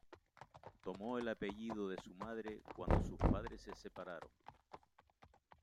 Tomó el apellido de su madre cuando sus padres se separaron.